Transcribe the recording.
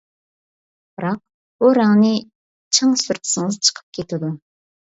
بىراق بۇ رەڭنى چىڭ سۈرتسىڭىز چىقىپ كېتىدۇ.